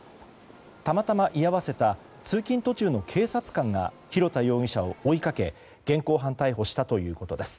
たまたま居合わせた通勤途中の警察官が廣田容疑者を追いかけ現行犯逮捕したということです。